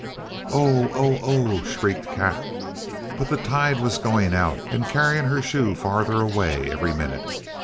"Oh! Oh! Oh!" shrieked Kat; but the tide was going out and carrying her shoe farther away every minute.